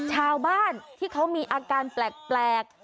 ชาวบ้านที่เขามีอาการแปลก